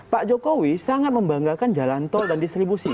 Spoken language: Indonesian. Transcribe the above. pak jokowi sangat membanggakan jalan tol dan distribusi